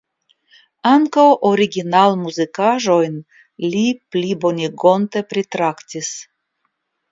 Ankaŭ originalmuzikaĵojn li plibonigonte pritraktis.